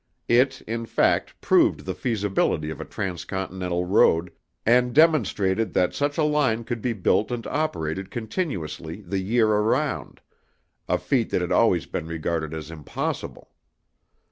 It, in fact, proved the feasibility of a transcontinental road and demonstrated that such a line could be built and operated continuously the year around a feat that had always been regarded as impossible.